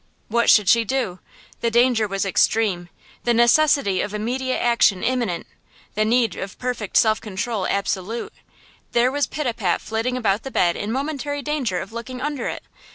What should she do? The danger was extreme, the necessity of immediate action imminent, the need of perfect self control absolute! There was Pitapat flitting about the bed in momentary danger of looking under it!